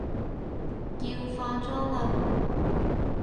要化妝了